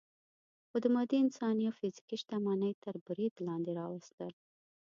خو د مادي، انساني او فزیکي شتمنۍ تر برید لاندې راوستل.